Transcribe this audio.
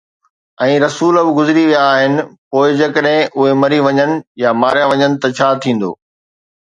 ۽ رسول به گذري ويا آهن، پوءِ جيڪڏهن اهي مري وڃن يا ماريا وڃن ته ڇا ٿيندو؟